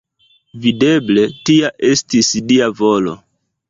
Videble, tia estis Dia volo.